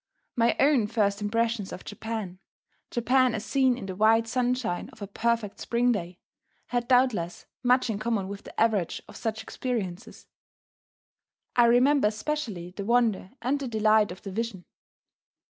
My own first impressions of Japan, Japan as seen in the white sunshine of a perfect spring day, had doubtless much in common with the average of such experiences. I remember especially the wonder and the delight of the vision.